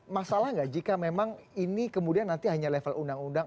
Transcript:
masalah nggak jika memang ini kemudian nanti hanya level undang undang